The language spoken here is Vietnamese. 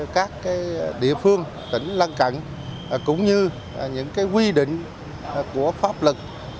các địa phương tỉnh lân cận cũng như những quy định của pháp luật